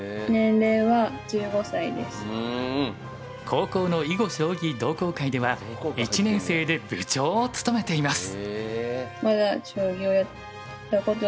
高校の囲碁・将棋同好会では１年生で部長を務めています。